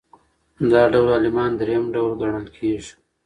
دا ډول عالمان درېیم ډول ګڼل کیږي.